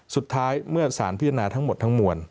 สุดท้ายเมื่อสารพิจารณาทั้งหมดทั้งมวล